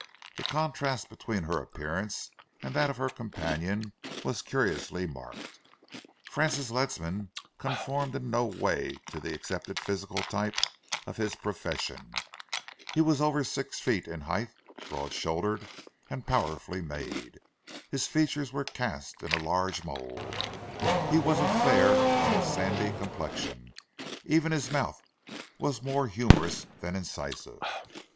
The contrast between her appearance and that of her companion was curiously marked. Francis Ledsam conformed in no way to the accepted physical type of his profession. He was over six feet in height, broad shouldered and powerfully made. His features were cast in a large mould, he was of fair, almost sandy complexion, even his mouth was more humourous than incisive.